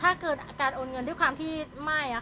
ถ้าเกิดอาการโอนเงินด้วยความที่ไม่